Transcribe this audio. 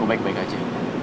gua baik baik aja